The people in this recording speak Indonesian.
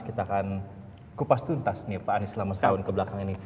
kita akan kupas tuntas nih pak anies selama setahun kebelakangan ini